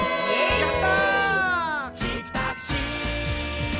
やった！